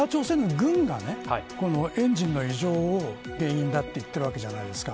北朝鮮の軍がこのエンジンの異常を原因だって言っているわけじゃないですか。